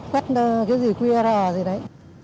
quét qr gì đấy